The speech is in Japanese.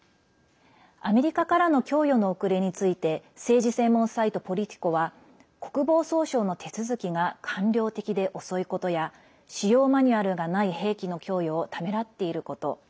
アメリカからの供与の遅れについて政治専門サイト「ポリティコ」は国防総省の手続きが官僚的で遅いことや使用マニュアルがない兵器の供与をためらっていること。